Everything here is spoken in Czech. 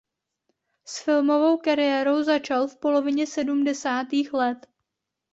S filmovou kariérou začal v polovině sedmdesátých let.